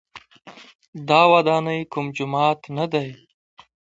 دا ودانۍ کوم جومات نه دی.